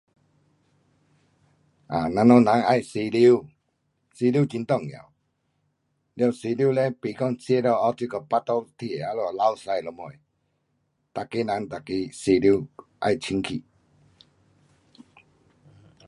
啊我们人要洗手，洗手很重要。了洗手不讲喔这个肚子痛泻肚什么，每个人，每个洗手要清洁。